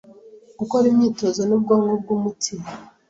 Gukora imyitozo n'ubwoko bw'umuti.